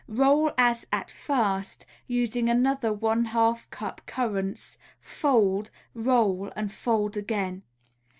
Roll as at first, using another one half cup currants, fold, roll and fold again.